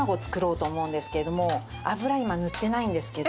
油今塗ってないんですけど。